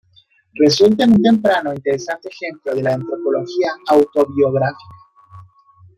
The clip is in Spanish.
Resulta un temprano e interesante ejemplo de la antropología autobiográfica.